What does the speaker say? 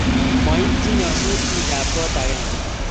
Mo itchi nyasut biik ab kot agenge